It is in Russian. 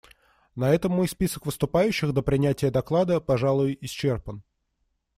На этом мой список выступающих до принятия доклада, пожалуй, исчерпан.